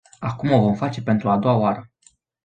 Acum o vom face pentru a doua oară.